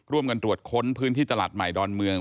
ร่วมกันตรวจค้นพื้นที่ตลาดใหม่ดอนเมือง